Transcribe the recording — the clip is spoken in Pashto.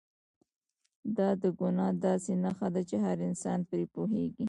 دا د ګناه داسې نښه ده چې هر انسان پرې پوهېږي.